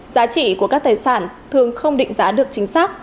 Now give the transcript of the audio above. giá trị của các tài sản thường không định giá được chính xác